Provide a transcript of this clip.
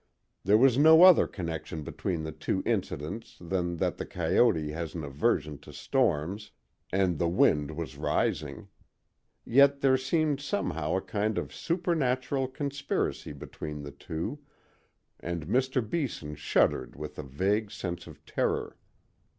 There was no other connection between the two incidents than that the coyote has an aversion to storms, and the wind was rising; yet there seemed somehow a kind of supernatural conspiracy between the two, and Mr. Beeson shuddered with a vague sense of terror.